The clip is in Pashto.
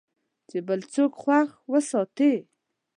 چې بل څوک خوښ وساتې .